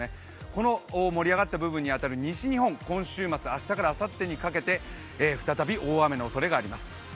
この盛り上がった部分に当たる西日本、今週末、明日からあさってにかけて再び大雨のおそれがあります。